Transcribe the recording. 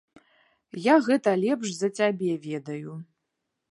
Я гэта лепш за цябе ведаю.